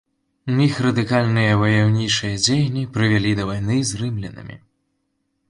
Іх радыкальныя ваяўнічыя дзеянні прывялі да вайны з рымлянамі.